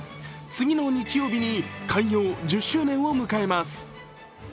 次の日曜日に開業１０周年を迎えます。